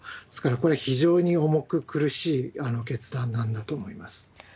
ですから、これ、非常に重く苦しい決断なんだと思います。